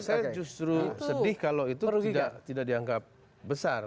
saya justru sedih kalau itu tidak dianggap besar